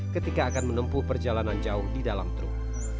ketika akan menempuh perjalanan jauh di dalam truk